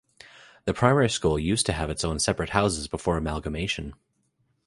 The primary school used to have its own separate houses before amalgamation.